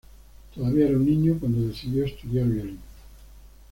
Todavía era un niño cuando decidió a estudiar violín.